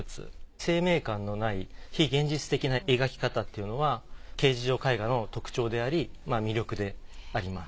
生命感のない非現実的な描き方っていうのは形而上絵画の特徴であり魅力であります。